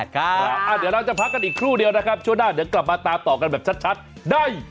เดี๋ยวเราจะพักกันอีกครู่เดียวนะครับช่วงหน้าเดี๋ยวกลับมาตามต่อกันแบบชัดได้